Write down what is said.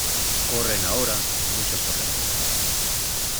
corren ahora muchas torrenteras.